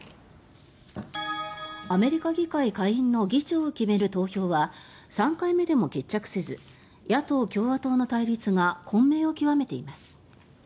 アメリカ議会下院の議長を決める投票は３回目でも決着せず野党・共和党の対立が混迷を極めています。